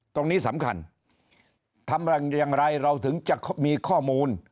ตรงนี้สำคัญทำอย่างไรเราถึงจะมีข้อมูล